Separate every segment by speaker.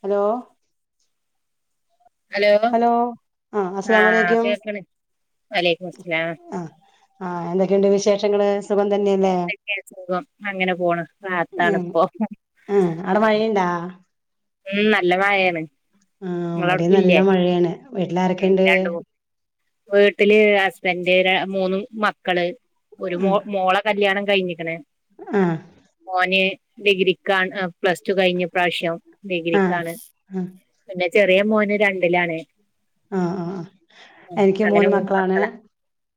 Speaker 1: Hello hello ആഹ് അസലാമുഅലൈക്കും
Speaker 2: വലൈക്കും മുസ്സലാം
Speaker 1: ആഹ് ആഹ് എന്തൊക്കെയുണ്ട് വിശേഷങ്ങള് സുഖം തന്നെയല്ലേ
Speaker 2: എന്തെക്കെ സുഖം, അങ്ങനെ പോണ് റാത്താണ്പ്പൊ
Speaker 1: ആഹ് അവ്ട മഴയ്ണ്ടാ?
Speaker 2: ഉം നല്ല മഴേണ്.
Speaker 1: ആഹ് ഇവിടേം നല്ല മഴയാണ് വീട്ടിൽ
Speaker 2: ഉം
Speaker 1: ആാരൊക്കെയ്ണ്ട്?
Speaker 2: രണ്ട് മൂ വീട്ടില് ഹസ്ബന്ഡ്, ര മൂന്ന് മക്കള് ഒരു മൊ
Speaker 1: ആ
Speaker 2: മോള കല്യാണം കയിഞ്ക്കണ്,
Speaker 1: ആ
Speaker 2: മോന് ഡിഗ്രിക്കാ അഹ് പ്ലസ്റ്റു കയിഞ്ഞിപ്രാശ്യം
Speaker 1: ആ
Speaker 2: ഡിഗ്രിക്കാണ് പിന്നെ ചെറിയ മോന് രണ്ടിലാണ്
Speaker 1: ആഹ് ആഹ് അഹ്
Speaker 2: ഉം,
Speaker 1: എനിക്ക്
Speaker 2: അങ്ങനെ
Speaker 1: മൂന്ന് മക്കളാണ്
Speaker 2: മക്കളാ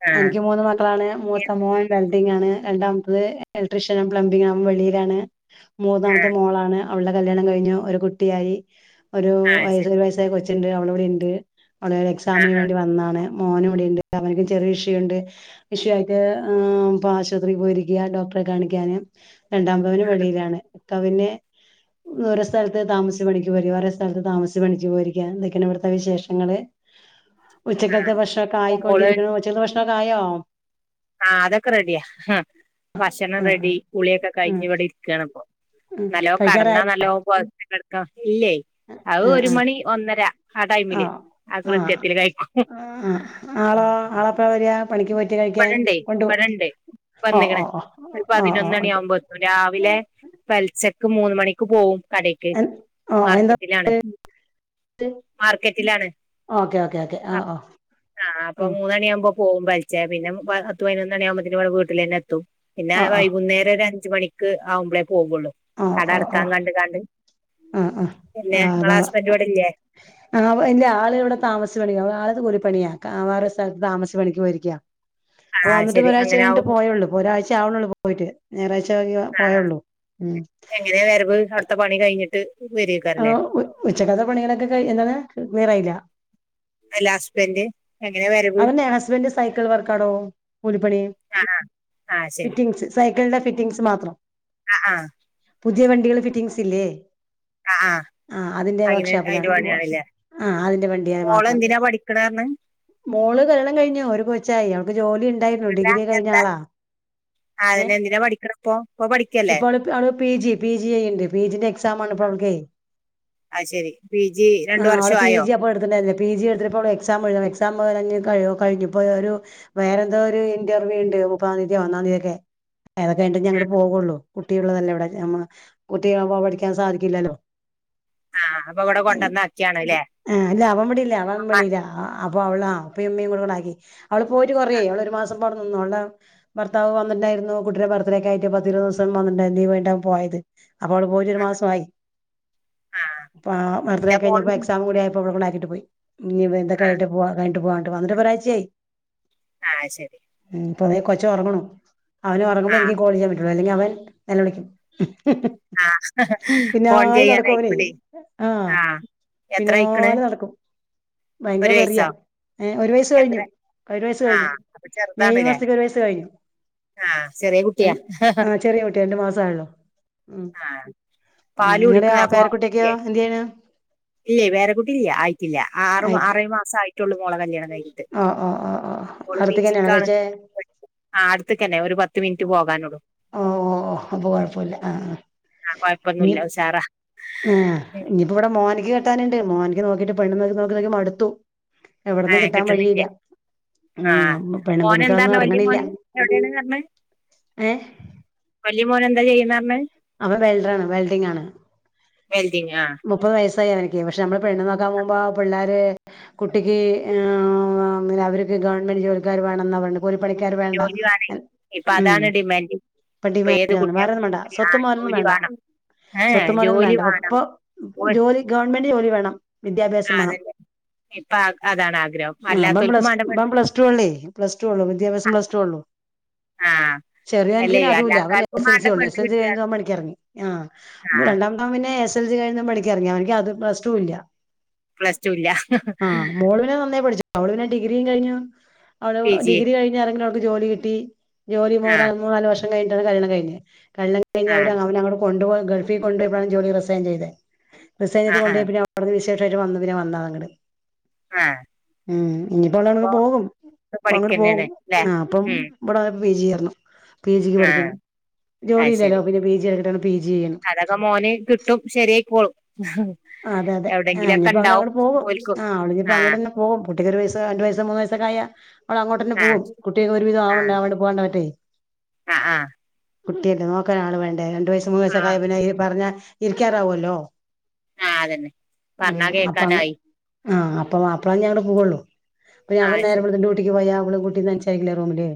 Speaker 2: ആഹ്
Speaker 1: എനിക്ക് മൂന്ന് മക്കളാണ് മൂത്ത മോൻ വെൽഡിംഗ് ആണ്, രണ്ടാമത്തത് ഇലക്ട്രീഷ്യനും പ്ലംബിംഗും, അവൻ വെളിയിലാണ് മൂന്നാമത്തെ
Speaker 2: ആഹ്
Speaker 1: മോളാണ് അവള്ളെ കല്യാണം കയിഞ്ഞു ഒരു കുട്ടിയായി ഒരു
Speaker 2: ആഹ്
Speaker 1: വയ
Speaker 2: ശരി
Speaker 1: ഒരു വയസ്സായി കൊച്ചുണ്ട് അവളിവിടെണ്ട് അവള് എക്സാമിന്
Speaker 2: ആഹ്
Speaker 1: വേണ്ടി വന്നാണ് മോനും ഇവിടുണ്ട് അവനിക്കും ചെറിയ ഇഷ്യൂ ഉണ്ട് ഇഷ്യൂ ആയിട്ട് ഇപ്പൊ ആശുപത്രിക്ക് പോയിരിക്കുക ഡോക് ട്ടരേ കാണിക്കാന് രണ്ടാം മകന് വെളിയിലാണ് ഇക്ക പിന്നെ ഓരോ സ്ഥലത്തെ താമസിച്ച് പണിക്ക് പോയി ഓരേ സ്ഥലത്ത് താമസിച്ച് പണിക്ക് പോയിരിക്കുകയാണ് ഇതൊക്കെയാണ് ഇവിട്ത്തെ വിശേഷം ങ്ങള് ഉച്ചക്കത്തെ ഭക്ഷണംക്കെ ആയിക്കൊണ്ടിരിക്ക്ണു ഉച്ചക്കെത്തെ ഭക്ഷണൊക്കെ ആയോ
Speaker 2: ആ അതൊക്കെ റെഡിയാ ഹ് ഭക്ഷണം
Speaker 1: ആ ആ
Speaker 2: റെഡി കുളിയൊക്കെ
Speaker 1: ആ
Speaker 2: കഴിഞ്ഞ് ഇവിടെ ഇരിക്കാണ്പ്പോ
Speaker 1: ആ
Speaker 2: നല്ലോ കടന്നാ
Speaker 1: കഴിക്കാറായി
Speaker 2: നല്ലോ പോത്ച്ച് കെട്ക്കാ ഇല്ലേ അത്
Speaker 1: ആ
Speaker 2: ഒരു മണി ഒന്നര ആ ടൈമില്
Speaker 1: ആ ആ
Speaker 2: ആകൃത്തിയത്തില് കൈക്കും
Speaker 1: ആ ആ ആളോ ആളെപ്പ വെരാ പണിക്ക് പോയിട്ട് കഴിക്കാൻ
Speaker 2: ബടണ്ടേ
Speaker 1: കൊണ്ട് ഓ
Speaker 2: ബടെണ്ട്
Speaker 1: ഓ
Speaker 2: വന്ന്ക്ക്ണ്
Speaker 1: ഓ
Speaker 2: ഒരു
Speaker 1: ഓ ഓ
Speaker 2: പതിനൊന്നണി
Speaker 1: ഓക്കെ
Speaker 2: ആകുമ്പോ എത്തും രാവിലെ പെല്ച്ചക്ക് മൂന്ന് മണിക്ക് പോവും കടീക്ക്
Speaker 1: ഓ എന്താ
Speaker 2: മാർക്കറ്റിലാണ് മാർക്കറ്റിലാണ്
Speaker 1: ഓക്കെ ഓക്കെ ഓക്കെ ആ
Speaker 2: ആഹ്
Speaker 1: ഓ
Speaker 2: ആ അപ്പം മൂന്നണിയാകുമ്പോ പോകും പെല്ചെ പിന്നെ പ പത്ത് പൈനൊന്നണി ആകുമ്പോത്തിന് ഇബേടെ വീട്ടിലെന്നെത്തും പിന്നെ
Speaker 1: ആ ആ
Speaker 2: വൈകുന്നേരം ഒരു അഞ്ച് മണിക്ക് ആകുമ്പോഴേ പോകുള്ളൂ
Speaker 1: ആ ഓ
Speaker 2: കട
Speaker 1: ഓ ഓ
Speaker 2: അടക്കാൻ കണ്ട് കാണ്ട്
Speaker 1: ആ
Speaker 2: പിന്നെ ഇങ്ങളെ ഹസ്ബൻ്റ് ഇവിടെല്ലേ
Speaker 1: ആഹ് എന്റെ ആള് ഇവിടെ താമസിച്ച് [unintelligible] പണിയാ കാവാരെ സ്ഥലത്ത് താമസിച്ച് പണിക്ക് പോയിരിക്കാ
Speaker 2: ആ
Speaker 1: ഇപ്പ വന്നിട്ട്
Speaker 2: ശരി
Speaker 1: ഒരാഴ്ച്ച
Speaker 2: അങ്ങനെ
Speaker 1: കഴിഞ്ഞിട്ട്
Speaker 2: ആവും
Speaker 1: പോയോള്ളൂ ഒരാഴ് ചാവ്ണോള്ളൂ പോയിട്ട് ഞായറഴ്ച പോയേള്ളൂ
Speaker 2: എങ്ങനെ വരവ് അവിട്ത്തെ പണി കഴിഞ്ഞിട്ട് വരേക്കാരല്ലേ
Speaker 1: ആഹ് ഉ ഉച്ചക്കത്തെ പണികളൊക്കെ കഴിഞ്ഞു ഏന്താണ് ക്ലിയറായില്ല
Speaker 2: അല്ല ഹസ്ബൻ്റ് എങ്ങനെ വരവ്
Speaker 1: അവന്റെ ഹസ്ബൻ്റ് സൈക്കിൾ വർക്കാടോ കൂലിപ്പണി
Speaker 2: ആ ആ
Speaker 1: ഫിറ്റിംഗ്സ് സൈ ക്കിൾൻ്റെ ഫിറ്റിംഗ്സ് മാത്രം
Speaker 2: ആഹ് ആഹ്
Speaker 1: പുതിയ വണ്ടികള് ഫിറ്റിംഗ്സില്ലേ ആ അതിന്റെ വർക്ക്
Speaker 2: അങ്ങനെ അതിന്റെ
Speaker 1: ഷാപ്പിലാണ് അപ്പോ
Speaker 2: പണിയാണല്ലേ
Speaker 1: ആ അതിന്റെ വണ്ടിയാന്നേ
Speaker 2: മോള്
Speaker 1: മാത്രം
Speaker 2: എന്തിനാ പഠിക്കണർന്ന്
Speaker 1: ഓള് കല്യാണം കഴിഞ്ഞു ഒരു കൊച്ചായി അവൾക്ക് ജോലിയുണ്ടായിരുന്നു
Speaker 2: അല്ല
Speaker 1: ഡിഗ്രിക്കെ കഴിഞ്ഞ
Speaker 2: എന്താ
Speaker 1: ആളാ ഏ
Speaker 2: അതിന് എന്തിനാ പഠിക്കണ ഇപ്പൊ ഇപ്പൊ പഠിക്കല്ലേ
Speaker 1: ഇപ്പവള് പി ജി പി ജി യ്യ്ണ്ട് പി ജിന്റെ എക്സാം ആണ്- ഇപ്പ അവൾക്കേ
Speaker 2: ആ ശരി പി ജി
Speaker 1: ആ
Speaker 2: രണ്ടു
Speaker 1: അവള്
Speaker 2: വർഷം
Speaker 1: പി
Speaker 2: ആയോ
Speaker 1: ജി അപ്പ എടുത്തിണ്ടാരുന്നേ പി ജി എട്ത്തിപ്പോ എക്സാം ഏയ്‌ത്ണ് എക്സാം- [unintelligible] കഴിഞ്ഞു ഇപ്പോ ഒരു വേറെ എന്തോ ഒരു ഇന്റർവ്യൂണ്ട് മുപ്പതാം തീയതിക്കോ ഒന്നാം തീയതിക്കെ അതൊക്കെ കഴിഞ്ഞിട്ട് അങ്ങട് പോവുള്ളൂ കുട്ടിയുള്ളതല്ലേ അവിടെ കുട്ടിയാവുമ്പോൾ പഠിക്കാൻ സാധിക്കില്ലല്ലോ
Speaker 2: ആ അപ്പൊ ഇവിടെ കൊണ്ടുവന്നാക്കിയാണ് അല്ലേ
Speaker 1: ആ അല്ല അവം ഇവിടില്ല അവൻവെളിയിലാ ആ അപ്പൊ അവള് [unintelligible] അവള് പോയിട്ട് കൊറേയായി അവള് ഒരു മാസം പ്പം അവടെ നിന്നു ഒള്ടെ ഭർത്താവ് വന്ന ണ്ടായിരുന്നു കുട്ടിടെ ബർത്ത്ഡേക്കെയി ട്ട് പത്തിരുപത് ദിവസം വന്നണ്ടെയിരന്ന് ലീവൈഞ്ഞിട്ടാ പോയത് അപ്പോള് പോയിറ്റ് ഒരു മാസൊയി
Speaker 2: ആ
Speaker 1: പാ
Speaker 2: എന്റെ
Speaker 1: ബർത്തഡേക്കെ
Speaker 2: മോള്
Speaker 1: കഴിഞ്ഞപ്പ എക്സാം കൂടി ആയപ്പോ ഇവള് ഇവി കൈട്ട് പോയി ഇനി ഇപ്പ എന്താ കയ്ട്ട് പോവാ കയിട്ട് പോവാട്ട് വന്നിട്ട് ഇപ്പ ഒരയേച്ചേയായ്
Speaker 2: ആ ശരി
Speaker 1: ഇപ്പ തേ കൊച്ച് ഒറ്ങ്ണു അവന് ഒറങ്ങുമ്പോളെ
Speaker 2: ആ
Speaker 1: എനിക്ക് കോള്യ്യാൻ പറ്റുള്ളൂ അല്ലെങ്കി അവൻ നെലവിളിക്കും
Speaker 2: ആ
Speaker 1: പിന്നെ
Speaker 2: ഫോൺ
Speaker 1: ആൾ നടക്കുംഒനെ
Speaker 2: ചെയ്യാനായിക്കൂലേ
Speaker 1: ആ
Speaker 2: എത്ര അയക്കണ്
Speaker 1: പിന്നാലെ നടക്കും ഭയങ്കര
Speaker 2: ഒരു
Speaker 1: വെറിയാ
Speaker 2: വയസ്സോ
Speaker 1: ഏ ഒരു വയസ്സ്
Speaker 2: എത്ര
Speaker 1: കഴിഞ്ഞു ഒരു വയസ്സ്
Speaker 2: ആ
Speaker 1: കഴിഞ്ഞു
Speaker 2: അപ്പൊ
Speaker 1: മെയ്
Speaker 2: ചെറുതാണല്ലേ
Speaker 1: മാസക് ഒരു വയസ് കഴിഞ്ഞു
Speaker 2: ആ ചെറിയ
Speaker 1: എൻ
Speaker 2: കുട്ടിയാ
Speaker 1: ആ ചെറിയ കുട്ടിയാ രണ്ടു മാസ ആയോള്ളു ഉ
Speaker 2: ആ
Speaker 1: ആ
Speaker 2: പാല്
Speaker 1: നിങ്ങടെ
Speaker 2: കുടിക്കണ
Speaker 1: ആ
Speaker 2: അപ്പൊ
Speaker 1: പേരക്കുട്ടിക്ക്‌
Speaker 2: ഇല്ലേ
Speaker 1: എന്ത് ചെയ്ന്
Speaker 2: ഇല്ലേ വെറെ കുട്ടി ഇല്ല്യ ആയിട്ടില്ല ആറ് മാ അറേഴ്‌ മാസ ആയിട്ടുള്ളൂ മോള കല്യാണം കഴിഞ്ഞിട്ട്
Speaker 1: ആ ആ ആ ആ ഹ്
Speaker 2: മോള് പി
Speaker 1: അട്ത്ത്ക്കെന്നെയാണോ
Speaker 2: ജിക്കാണ്
Speaker 1: കഴിച്ചേ
Speaker 2: ആ അടുത്ത്ക്കെന്നെ ഒരു പത്ത് മിനിറ്റ് പോകാനൊള്ളൂ
Speaker 1: ഓ ഓ ഓ അപ്പൊ കൊഴപ്പമില്ല ആ ആ
Speaker 2: ആ
Speaker 1: ഇനി
Speaker 2: കൊയ്പ്പൊന്നുല്ല ഉഷാറാ
Speaker 1: ആ ഇനിയിപ്പോ ഇവടെ മോനിക്ക് കെട്ടാന്ണ്ട് മോനിക്ക് നോക്കിട്ട് പെണ്ണന്ന്വരെ സകലയും മടുത്തു
Speaker 2: ആ
Speaker 1: എവ്ടന്നും കിട്ടാൻ വഴിയില്ല
Speaker 2: കിട്ടണില്ലേ ആ
Speaker 1: മ് പെണ്ണ്
Speaker 2: മോൻ എന്താണ്
Speaker 1: [unintelligible]
Speaker 2: വലിയ മോൻ
Speaker 1: ഇറങ്ങുന്നില്ല
Speaker 2: എവിടെയാണ് പറഞ്ഞത്
Speaker 1: ഏ
Speaker 2: ന്താചെയ്യുന്ന അമ്മേം
Speaker 1: അവ വെൽഡറാണ് വെൽഡിംങ് ആണ്
Speaker 2: വെൽഡിംങാ
Speaker 1: തയ്യാനെനിക്ക് പക്ഷെ അമ്മള് പെണ്ണങ്ങക്ക് ആവുമ്പോ പിള്ളാരെ കുട്ടിക്ക് ങ് ഒന്നിലാ അവരിക്ക് ഗവൺമെന്റ് ജോലിക്കാര് വേണംന്നാ പണ് കൂലി പണിക്കാര് വേണ്ട
Speaker 2: ജോലി വേണേ
Speaker 1: എൻ
Speaker 2: ഇപ്പൊ
Speaker 1: ഉം
Speaker 2: അതാണ് ഡിമാൻഡ്
Speaker 1: ഇപ്പ
Speaker 2: ഇപ്പൊ ഏത്
Speaker 1: ഡിമാൻണ്ടാന്ന്‌
Speaker 2: കുട്ടികൾക്കും
Speaker 1: വേറൊന്നും വേണ്ട
Speaker 2: ജോലി- ആ,
Speaker 1: സ്വത്തും മൊതലൊന്നും
Speaker 2: ജോലി
Speaker 1: വേണ്ട
Speaker 2: വേണം ഏ
Speaker 1: സ്വത്തു മൊതലൊന്നും
Speaker 2: ജോലി
Speaker 1: വേണ്ട വ്
Speaker 2: വേണം
Speaker 1: ഇപ്പൊ
Speaker 2: ഓ,
Speaker 1: ജോലി ഗവണ്മെന്റ് ജോലി വേണം
Speaker 2: ആ,
Speaker 1: വിദ്യാഭ്യാസം വേണം
Speaker 2: അതന്നെ ഇപ്പൊ ആ- അതാണ് ആഗ്രഹം
Speaker 1: ആമ്പം
Speaker 2: അല്ലാത്തവർക്കും
Speaker 1: പ്ലസ്
Speaker 2: വേണ്ട
Speaker 1: ടു
Speaker 2: പെണ്ണ്.
Speaker 1: ഇമ്പം പ്ലസ് ടു ഒള്ളേ പ്ലസ് ടു ഒള്ളു വിദ്യാഭ്യാസം പ്ലസ് ടു ഒള്ളു
Speaker 2: ആഹ്
Speaker 1: ചെറിയാനിക്ക് പിന്ന അതുല്ല അവൻ എ എസ് എസ് എൽസി ഒണ്ട് എസ്എൽസി
Speaker 2: കിട്ടുക
Speaker 1: ഴിഞ്ഞതും അവൻ പണിക്കിറങ്ങി ആ
Speaker 2: ആ
Speaker 1: മ്ബ് രണ്ടാമത്തവൻ പിന്നെ എസ് സെൽസികഴിഞ്ഞ് പണിക്ക് ഇറങ്ങി അവനിക്ക് അതും പ്ലസ്ടു ഇല്ല
Speaker 2: പ്ലസ് ടു ഇല്ല
Speaker 1: ആഹ് മോളു പിന്നെ നന്നായി പഠിച്ചു അവളു പിന്നെ ഡിഗ്രീം കഴിഞ്ഞു അവള്
Speaker 2: പി ജി
Speaker 1: ഡിഗ്രി കഴിഞ്ഞ് എറങ്ങടുത്ത് ജോലി കിട്ടി ജോലി
Speaker 2: ആ
Speaker 1: മോനാ മൂന്നാല് വർഷം കഴിഞ്ഞിട്ടാണ് കല്യാണം കഴിഞ്ഞേ കല്യാണം കഴിഞ്ഞേ
Speaker 2: ആ
Speaker 1: അവര് അവ അവനങ്ങട് കൊണ്ടു പോയ ഗൾഫിൽ കൊണ്ടോഴപ്പഴാണ് ജോലി റിസൈൻ ചെയ്തേ റിസൈൻ
Speaker 2: ആ
Speaker 1: ചെയ്ത്
Speaker 2: ആ
Speaker 1: കൊണ്ടോഴപ്പഴേ അവിടുന്ന് വിശേഷായിട്ട് വന്ന് പിന്നെ വന്ന് ആ ആങ്ങട്
Speaker 2: ആ
Speaker 1: ഉം ഇനിയിപ്പോ അവള് അവിടന്ന്
Speaker 2: ഇപ്പൊ
Speaker 1: പോകും അപ്പ അങ്ങ്ട് പോകും
Speaker 2: പഠിക്കന്നെയാണ് അല്ലേ
Speaker 1: ആ അപ്പം
Speaker 2: ഉം
Speaker 1: ഇവിടെ പിജിയാ ത്ത്ണ പി ജിക്ക്
Speaker 2: ആ
Speaker 1: പഠിക്കണ്
Speaker 2: അത്
Speaker 1: ജോലിഇല്ലല്ലോ
Speaker 2: ശരി
Speaker 1: പിന്നെ പി ജി എടുക്കട്ടന്ന്
Speaker 2: അതൊക്കെ മോന് കിട്ടും ശരിയായിക്കോളും
Speaker 1: അതെ അതെ ആ
Speaker 2: എവിടെങ്കിലൊക്കെ
Speaker 1: ഇനിപ്പോ
Speaker 2: ഉണ്ടാവും
Speaker 1: അവനങ്ങട് പോകും
Speaker 2: ഓൽക്കും
Speaker 1: ആ അവളിഞ്ഞിപ്പോ
Speaker 2: ആ
Speaker 1: അങ്ങട് തന്നെ പോകും പുട്ടിക്കൊരുവയസ്സ് താ രണ്ടു വയസ്സാ മൂന്ന് വയസക്ക ആയാ അവള് അങ്ങട്ടന്നെ
Speaker 2: ആ
Speaker 1: പോവും കുട്ടിയിത് ഒരു വിധം
Speaker 2: ആ
Speaker 1: ആവണ്ടേ അവിടെ പുവാണ്ട് പറ്റേ
Speaker 2: ആ ആ
Speaker 1: കുട്ടിയെ എല്ലാക്ക്‌ ഒര് ആള് വേണ്ടേ രണ്ടു വയസ്സ് മൂന്ന്
Speaker 2: ആ
Speaker 1: വയസക്ക ആയാ പിന്നെ ഈ പറഞ്ഞ ഇരിക്കാറഅവുല്ലോ
Speaker 2: ആ അതന്നെ
Speaker 1: ഉം
Speaker 2: പറഞ്ഞാ
Speaker 1: അപ്പം അങ്ങട്
Speaker 2: കേക്കാനായി
Speaker 1: ആ അപ്പോ വാപ്പളാന്റെ അങ്ങട് പോവോള്ളൂ അപ്പഴ്
Speaker 2: ആ
Speaker 1: അവൻ നേരം
Speaker 2: ശരി
Speaker 1: വെള്ത്ത് ഡ്യൂട്ടിക്ക് പോയാ ഓളും കുട്ടീം തനിച്ചാരിക്കില്ലേ റൂമില്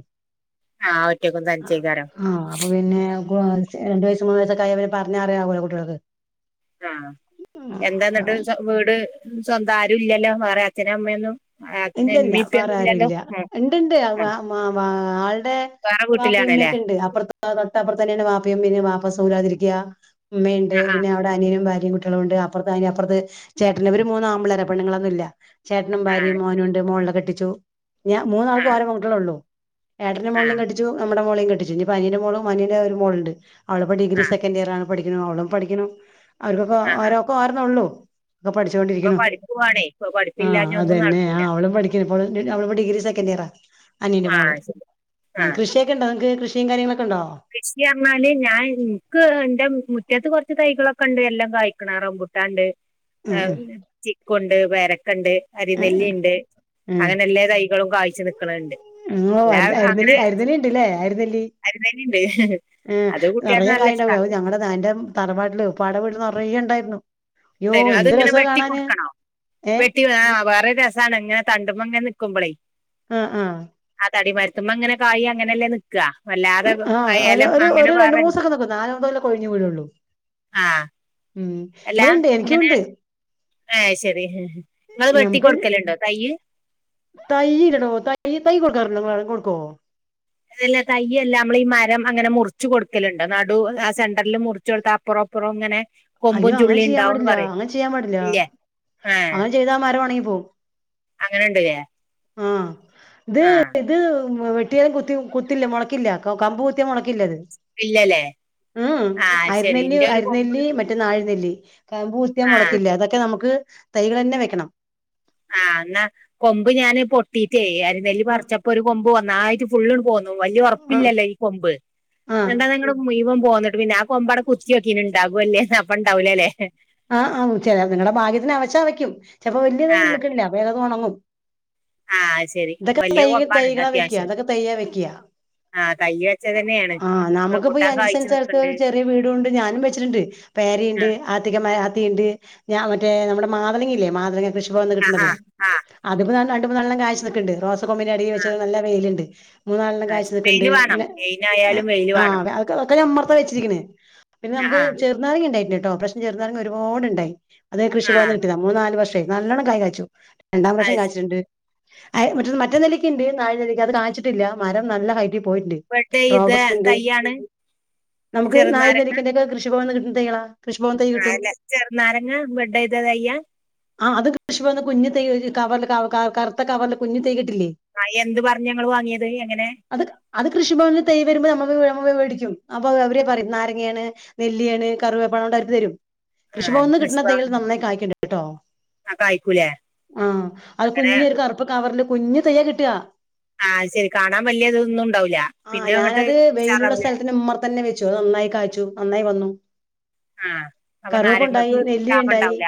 Speaker 2: ആ ഒറ്റക്കും തനിച്ചേക്കാരം
Speaker 1: ആ അപ്പപിന്നെ [unintelligible] ച്ചേ രണ്ടു വയസ്സ് മൂന്ന് വയസക്ക ആയാൽ പിന്നെ പറഞ്ഞാ അറിവാവല്ലോ കുട്ടികൾക്ക്
Speaker 2: ആ
Speaker 1: ഉം,
Speaker 2: എന്താ
Speaker 1: അപ്പൊ
Speaker 2: എന്നിട്ട് ച്ച വീട് സ്വന്തം ആരുല്ലല്ലോ വേറെ അച്ഛനും അമ്മയൊന്നും അച്ഛനും
Speaker 1: ഇല്ലയില്ല വേറെ
Speaker 2: ഇമ്മിപ്പൊന്നും
Speaker 1: ആരും
Speaker 2: ഇല്ലല്ലോ
Speaker 1: ഇല്ല
Speaker 2: ഉം
Speaker 1: ഇണ്ട്ണ്ട് അ വ
Speaker 2: ഉം
Speaker 1: മാ വ- ആൾടെ
Speaker 2: വേറെ
Speaker 1: വാപ്പേം
Speaker 2: വീട്ടിലാണല്ലേ
Speaker 1: ഉമ്മേക്കെണ്ട് അപ്പുറത്ത തൊട്ടപ്പുറത്തന്നെയാണ് വാ പ്പേം പിന്നെ വാപ്പ സുഖയില്ലാതിരിക്കയാ ഉമ്മേയിണ്ട്
Speaker 2: ആ
Speaker 1: പിന്നെ അവിടെ അനിയനും ഭാര് കുട്ടികളുണ്ട് അപ്പറത്ത് അതിന് അപ്പറത്ത് ചേട്ടനും മൂന്ന് ആമ്പിള്ളേരാ പെണ്ണിങ്ങളൊന്നും ഇല്ല ചേട്ടണും
Speaker 2: ആ ആ
Speaker 1: ഭാര്യേം- ണ്ട് മോൾട കെട്ടിച്ചു ഞാ
Speaker 2: ആ
Speaker 1: മൂന്നാൾക്കും ഓരോ പെൺകുട്ടികളെയുള്ളൂ ഏട്ടന്റെ
Speaker 2: ആ
Speaker 1: മോളിലേ കെട്ടിച്ചു ഇവിട മോളെയും കെട്ടിച്ചു ഇനിപ്പ അനിയന്റെ മോളും അനിയന്റെ വേറൊരു മോളുണ്ട് അവളിപ്പോ ഡിഗ്രി
Speaker 2: ആ
Speaker 1: സെക്കന്റ്‌ ഇയർ ആണ് പഠിക്കണ് ഓളും പഠിക്കണം അവർക്കൊക്കെ
Speaker 2: ആ ആ
Speaker 1: ഓരോകൊ ഓരന്നേയുള്ളൂ ഒക്കെ
Speaker 2: ഇപ്പൊ
Speaker 1: പഠിച്ചൊണ്ടിരിക്കണു
Speaker 2: പഠിക്കുവാണേ ഇപ്പൊ
Speaker 1: ആഹ്
Speaker 2: പഠിപ്പില്ലാഞ്ഞ
Speaker 1: അത്
Speaker 2: ഒന്നും
Speaker 1: തന്നെ ആ
Speaker 2: നടക്കൂല
Speaker 1: അവളും പഠിക്കണിപ്പോള് അവള് ഇപ്പോ ഡിഗ്രിസെക്കന്റ്‌ ഇയറാ അനിയന്റെ
Speaker 2: ആ
Speaker 1: മോള്
Speaker 2: ശരി ആ
Speaker 1: കൃഷിയൊക്കെയിണ്ടോ നിങ്ങക്ക് കൃഷിയും കാര്യങ്ങള്
Speaker 2: കൃഷി പറഞ്ഞാല് ഞാൻ ഇൻക്ക് എന്റെ മുറ്റത്ത് കൊറ് തൈകളൊക്കെയുണ്ട് എല്ലാം കായ്ക്കണ റമ്പൂട്ടാൻണ്ട്
Speaker 1: ഉം ഉം
Speaker 2: ചിക്കുയുണ്ട് പേരക്ക - ക്കണ്ട്
Speaker 1: ഉം
Speaker 2: അരിനെല്ലിയിണ്ട്
Speaker 1: ഉം
Speaker 2: അങ്ങനെ എല്ലാ തൈകളും കായ്ച്ച് നിക്കണ് ണ്ട്
Speaker 1: ഉം അര് അരിനെല്ലി അരിനെല്ലി ഉണ്ടല്ലേ അരിന്നെല്ലി
Speaker 2: അരിനെല്ലിണ്ട്
Speaker 1: ങേ
Speaker 2: അത് കുട്ടികൾക്ക്
Speaker 1: നിറയ
Speaker 2: നല്ല ഇഷ്ടാ
Speaker 1: കായിണ്ടാവല്ലോ ഞങ്ങളെ തറവാട്ടില് ഉപ്പാട വീട്ടില് നിറയേണ്ടാ
Speaker 2: എന്തായാലും അതിങ്ങനെ വെട്ടി കൊടുക്കണോ
Speaker 1: ഏഹ്
Speaker 2: വെട്ടി ആ വേറെ രസാണ് ഇങ്ങനെ തണ്ടുമ്പങ്ങനെ നിക്കുമ്പളേ
Speaker 1: ആഹ് ആഹ്
Speaker 2: തടി മരത്തുമേ അങ്ങനെ കായ് അങ്ങനെയല്ലേ നിക്കുകാ വല്ലാതെ
Speaker 1: ആഹ് ഒരു
Speaker 2: അയാലും
Speaker 1: ഒരു
Speaker 2: അങ്ങനെ
Speaker 1: ഒരു രണ്ട് മൂന്ന്
Speaker 2: പറഞ്ഞ്
Speaker 1: ദിവസൊക്കെ നിക്കും നാലാമത്തോലെ കൊഴിഞ്ഞു വീഴുള്ളൂ
Speaker 2: ആ
Speaker 1: ഉം ഇവിടെ ഇണ്ട് എനിക്കും ണ്ട്
Speaker 2: ഏഹ് ശരി ങ്ങള് വെട്ടി
Speaker 1: ഞമ്മക്ക്
Speaker 2: കൊടുക്കലുണ്ടോ തയ്യ്?
Speaker 1: തൈ ഇടണോ തൈ തൈ കൊടുക്കാറ്ണ്ടോ ങ്ങളെ ആടൊക്കെ കൊടുക്കോ
Speaker 2: അതല്ല തയ്യെല്ലാം നമ്മൾ ഈ മരം അങ്ങനെ മുറിച്ചു കൊടുക്കലുണ്ടോ നടു സെന്ററിൽ മുറിച്ച് കൊട്‌ത്ത അപ്പുറം അപ്പറം അങ്ങനെ
Speaker 1: അയ്യോ അങ്ങനെ ചെയ്യാൻ പാടില്ല അങ്ങനെ ചെയ്യാൻ പാടില്ല
Speaker 2: ഇല്ലേ
Speaker 1: അങ്ങനെ ചെയ്താ മര ഒണങ്ങി പോവും
Speaker 2: അങ്ങനെ ണ്ട്ല്ലേ
Speaker 1: ആ ത് ത് വെട്ടിയാലും കുത്തി കുത്തില്ല മുളക്കില്ല കമ്പ് കുത്തിയാ മുളക്കില്ലത്
Speaker 2: ഇല്ലല്ലേ
Speaker 1: ഉം
Speaker 2: ആഹ് ശരി
Speaker 1: അരുന്നെല്ലി
Speaker 2: ഇന്റെ ഒരു കൊമ്പ്
Speaker 1: അരനെല്ലി മറ്റ താഴ്ന്നില്ലേ? കമ്പു കുത്തിയാ
Speaker 2: ആഹ്
Speaker 1: മുളക്കില്ല. അതൊക്കെ നമുക്ക് തൈകൾന്നെ വെക്കണം
Speaker 2: ആ ന്നാ കൊമ്പ് ഞാാന് പൊട്ടീട്ടേ അരിനെല്ലി
Speaker 1: ആഹ്
Speaker 2: പറിച്ചപ്പോഒരു കൊമ്പ് വ നന്നായിട്ട് ഫുള്ള് പോന്നു വലിയ
Speaker 1: ആഹ്
Speaker 2: ഉറപ്പില്ലല്ലോ ഈ കൊമ്പ്
Speaker 1: ആഹ്
Speaker 2: നിട്ട് അതങ്ങട്ട്. പോന്നിട്ട് പിന്നെ ആ കൊമ്പാടെ കുത്തിയൊക്കിനി ണ്ടാവോ ല്ലേന്ന് അപ്പ ണ്ടാവൂല ല്ലേ
Speaker 1: ആ ആം നിങ്ങടെ ഭാഗ്യത്തിന് അവശ വയ്ക്കും ചിലപ്പോ വലിയത്
Speaker 2: ആ
Speaker 1: നിക്കില്ലേ അലത് ഉണങ്ങും
Speaker 2: ആ ശരി
Speaker 1: എന്തൊക്കെ
Speaker 2: വലിയ
Speaker 1: ത
Speaker 2: കൊമ്പാണ്
Speaker 1: തൈകളാ വെക്ക
Speaker 2: അത്യാവശ്യം
Speaker 1: ഇതൊക്കെ തയ്യ വെക്ക്യാ.
Speaker 2: ആ തൈ വെച്ച തന്നെയാണ്
Speaker 1: ആ നമുക്കിപ്പ ഈ
Speaker 2: റംബുട്ടാൻ
Speaker 1: അഞ്ച്സൻ
Speaker 2: കായ്ച്ചു
Speaker 1: സ്ഥലത്ത്
Speaker 2: നിൽക്കുന്നുണ്ട്
Speaker 1: ഒരു ചെറിയ വീടണ്ട് ഞാനും വെച്ചിട്ട്ണ്ട്
Speaker 2: ആ
Speaker 1: പേരെണ്ട് അതി ആത്തീണ്ട്, മറ്റേ നമ്മുടെ മാതളങ്ങീല്ലേ, മാതളങ്ങ, കൃഷിഭവനീന്ന്
Speaker 2: ആ
Speaker 1: കിട്ടണത്
Speaker 2: ആ
Speaker 1: അതി നല്ല കായ്ച്ചു നിക്കണ്‌ണ്ട്. റോസ കമ്പിൻ്റെ അടീ
Speaker 2: ആ,
Speaker 1: വെച്ചാ നല്ല വെയിലുണ്ട് മൂന്നാളെണ്ണം
Speaker 2: ആ
Speaker 1: കാഴ്ച്ച് നിക്ക്ണ്ട്
Speaker 2: വെയില് വേണം
Speaker 1: പിന്നെ
Speaker 2: മെയിനായാലും വെയില്
Speaker 1: ആ.
Speaker 2: വേണം
Speaker 1: [unintelligible] ഒക്ക ഞമ്മർത്ത വച്ചിരിക്ക്ണെ പിന്നെ
Speaker 2: ആ
Speaker 1: നമ്മക്ക്
Speaker 2: ആ
Speaker 1: ചെറുനാരങ്ങ ണ്ടായിട്ട്ണ്ട് കേട്ടോ പ്രാവശ്യം ചെറുനാരങ്ങ ഒരുപാടുണ്ടായി. അത് കൃഷി
Speaker 2: ആ
Speaker 1: ഭവൻ കിട്ടിയതാ ന മൂന്ന് നാല് വർഷമായി നല്ലണം കായ് കയച്ചു രണ്ടാം
Speaker 2: അത്
Speaker 1: വർഷം
Speaker 2: ശരി
Speaker 1: കഴിച്ചിട്ടുണ്ട് റ്റ മറ്റ നെല്ലിക്കണ്ട് നാഴ നെല്ലിക്ക അത് കാണിച്ചിട്ടില്ല മരം നല്ല ഹൈ യി
Speaker 2: ബെഡ് ചെയ്ത
Speaker 1: റോബസ്റ്റ് ണ്ട്
Speaker 2: തൈയാണ്
Speaker 1: നമ്മക്ക് നായ് നെല്ലിക്ക കൃഷിഭവിന് ന്ന്. എന്ത്‌ തയ്യളാ.
Speaker 2: ആല്ല ചെറുനാരങ്ങ ബെഡ്ഡ് ചെയ്ത തയ്യ
Speaker 1: കൃഷി ഭവാനിന്ന് കുഞ്ഞു തൈ ക കറുത്ത കവറല് കുഞ്ഞി തൈ
Speaker 2: ആ എന്ത് പറഞ്ഞ് ഞങ്ങൾ വാങ്ങിയത് എങ്ങനെ
Speaker 1: അത് അത് കൃഷി ഭവാനിന്ന് തയ്യ് വരുമ്പോ. മേടിക്കും അപ്പൊ അവര പറയും നാരങ്ങാണ് നെല്ലിയാണ് കറവേപ്പണണം കൊണ്ട അവര് തരും
Speaker 2: ആ
Speaker 1: കൃഷിഭവനീന്ന് കിട്ടണ
Speaker 2: കൃഷ്ണ
Speaker 1: തയ്കള് നന്നായി കായ്ക്കണുണ്ടിട്ടോ
Speaker 2: ആ കായ്ക്കൂലേ
Speaker 1: ആ അത്
Speaker 2: അങ്ങനെ
Speaker 1: കുഞ്ഞ് ഒരു കറുപ്പ് കവറില് കുഞ്ഞ് തെയ്യ കിട്ടുക
Speaker 2: ആ ശരി കാണാൻ വലിയ ഇതൊന്നും ഉണ്ടാവില്ല
Speaker 1: ആ
Speaker 2: പിന്നെ അങ്ങോട്ട്
Speaker 1: ഞാനത് വെയിലുള്ള
Speaker 2: ഉഷാറാവില്ല
Speaker 1: സ്ഥലത്തിന് മ്മർത്ത് തന്നെ വെച്ചു നന്നായി കാച്ചു നന്നായി വന്നു
Speaker 2: ആഹ് അപ്പൊ
Speaker 1: കറവപ്പുണ്ടായി
Speaker 2: നാരങ്ങക്ക്
Speaker 1: നെല്ലി
Speaker 2: ക്ഷാമം
Speaker 1: ണ്ടായി
Speaker 2: ഉണ്ടാവൂല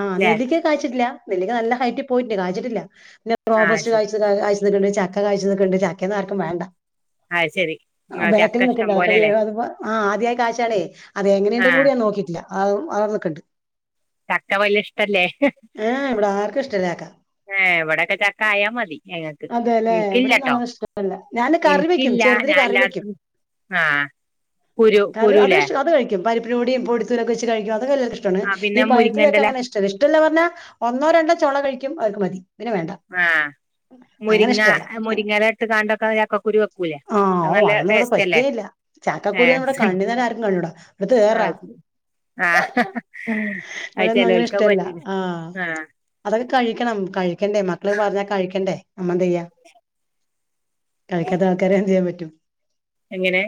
Speaker 1: ആ
Speaker 2: ല്ലേ
Speaker 1: നെല്ലിക്ക കായ്ച്ചിട്ടില്ല നെല്ലിക നല്ല ഹൈറ്റ് പോയി കായ്ച്ചിട്ടില്ല. പിന്ന
Speaker 2: ആഹ്
Speaker 1: റോബസ്റ്റ
Speaker 2: ശരി
Speaker 1: കായ്ച്ചത്, കായ്ച്ച് നിക്കണ്‌ണ്ട്, ചക്ക കായ്ച്ച് നിക്കണ്‌ണ്ട്, ചക്കേന്നും ആർക്കും വേണ്ട
Speaker 2: ആഹ് ശരി
Speaker 1: ആ
Speaker 2: ആഹ്
Speaker 1: ബേക്കിൽ
Speaker 2: ചക്ക ഇഷ്ടം
Speaker 1: നിട്ടിണ്ട് അതൊക്കെ വീ
Speaker 2: പോലെല്ലേ
Speaker 1: അ ആ ആദ്യായ കാശാണെ അതെങ്ങനെ [unintelligible]
Speaker 2: ആഹ്
Speaker 1: കൂടി ഞാൻ നോക്കിട്ടില്ല ആം [unintelligible]
Speaker 2: [unintelligible] വല്യഷ്ടല്ലേ?
Speaker 1: ആ ഏ വ്ടെ ആർക്കും ഇഷ്ടല്ല ചക്ക
Speaker 2: ഏ വ്ടൊക്കെ ചക്ക ആയാ മതി ഞങ്ങക്ക്
Speaker 1: അതെല്ലേ ഇവിടൊന്നും
Speaker 2: ന്ക്ക്ല്ലട്ടോ
Speaker 1: അങ്ങനെ ഇഷ്ടല്ല. ഞാന് കറി വെക്കും
Speaker 2: ന്ക്ക്ല്ലാ.
Speaker 1: ചെറുതില്
Speaker 2: ഞാൻ
Speaker 1: കറി വെക്കും.
Speaker 2: എല്ലാർക്കും ആ
Speaker 1: കറി അതിഷ്ട, അത് കഴിക്കും പരി [unintelligible] വച്ച് കഴിക്കും, അതൊക്കെ [unintelligible] ഇഷ്‌ടാണ്.
Speaker 2: ആഹ്
Speaker 1: ഈ
Speaker 2: പിന്നെ മുരിങ്ങന്റെല
Speaker 1: [unintelligible] ഇഷ്‌ടാണ്. ഇഷ്ട ഒന്നോ രണ്ടോ ചൊള കഴിക്കും [unintelligible] മതി പിന്നെ വേണ്ട.
Speaker 2: ആ
Speaker 1: അങ്ങനെ
Speaker 2: മുരിങ്ങ
Speaker 1: ഇഷ്ടല്ല
Speaker 2: മുരിങ്ങയില ഇട്ട്കാണ്ടൊക്കെ ചക്ക കുരു വെക്കൂലേ അ നല്ല ടേസ്റ്റ് അല്ലേ
Speaker 1: ചാക്കാക്കുരു
Speaker 2: ഏഹ്
Speaker 1: നമ്മടെ കണ്ണന് നല്ല
Speaker 2: അത്
Speaker 1: ആർക്കും [unintelligible]
Speaker 2: ശരി ആഹ്
Speaker 1: ഇവിടെന്നും അങ്ങനെ ഇഷ്ടല്ല
Speaker 2: [unintelligible]
Speaker 1: ആഹ് അതൊക്കെ കഴിക്കണം കഴിക്കണ്ടേ മക്കള് പറഞ്ഞാ കഴിക്കണ്ടേ നമ്മളെന്താ ചെയ്യുവാ കഴിക്കാത്ത ആൾക്കാരെ എന്ത് ചെയ്യാൻ പറ്റും
Speaker 2: എങ്ങനെ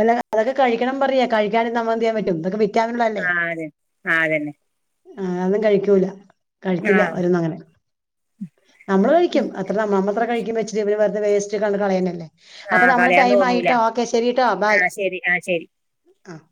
Speaker 1: അല്ല അതൊക്കെ കഴിക്കണം പറയാ കഴിക്കാതിരുന്നാൽ നമ്മള് എന്ത് ചെയ്യൻ പറ്റും ഇതൊക്കെ വെ
Speaker 2: ആഹ് അതെ ആഹ് അതന്നെ
Speaker 1: ആഹ് അത് കഴിക്കൂല കഴിക്കില്ല
Speaker 2: ആഹ്
Speaker 1: ഓരൊന്നും അങ്ങനെ നമ്മള് കഴിക്കും അത്ര നമ്മത്ര കഴിക്കും [unintelligible] വെറുതെ വേസ്റ്റിൽ കൊണ്ടേ കളയുന്നതല്ലേ അപ്പൊ
Speaker 2: ആഹ്
Speaker 1: നമ്മുടെ
Speaker 2: കളയാൻ
Speaker 1: ടൈം
Speaker 2: തോന്നൂല
Speaker 1: ആയിട്ടോ ഓക്കെ ശരിട്ടോ ബൈ
Speaker 2: ആഹ് ശരി ആഹ് ശരി
Speaker 1: ആഹ്